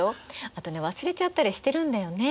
あとね忘れちゃったりしてるんだよね。